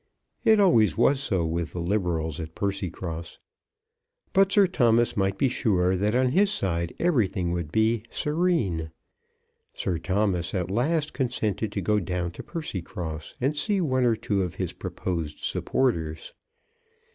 It always was so with the Liberals at Percycross. But Sir Thomas might be sure that on his side everything would be "serene." Sir Thomas at last consented to go down to Percycross, and see one or two of his proposed supporters.